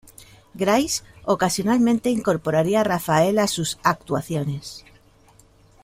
Grice ocasionalmente incorporaría a Rafael a sus actuaciones.